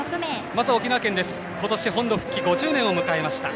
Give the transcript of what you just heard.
まずは沖縄県です今年本土復帰５０年を迎えました。